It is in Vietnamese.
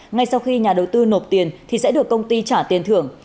ngay sau khi nhà đầu tư nộp tiền thì sẽ được công ty trả tiền thưởng